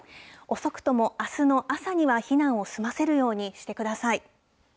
遅くともあすの朝には避難を済ませるようにしてください。